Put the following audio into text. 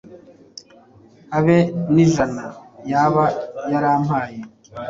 Habe nijana yaba yarampaye